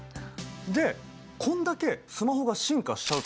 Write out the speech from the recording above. でこんだけスマホが進化しちゃうとね